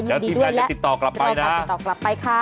ยินดีด้วยแล้วแล้วก็ติดต่อกลับไปค่ะ